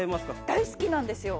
大好きなんですよ。